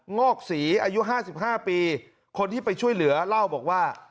งอกศรีอายุ๕๕ปีคนที่ไปช่วยเหลือเล่าบอกว่า